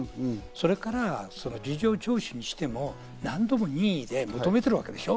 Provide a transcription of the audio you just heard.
それから事情聴取にしても、何度も任意で求めてるわけでしょ？